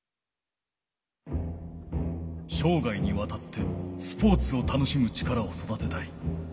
しょうがいにわたってスポーツを楽しむ力を育てたい。